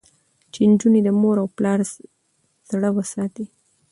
چې نجونې د مور او پلار زړه وساتي.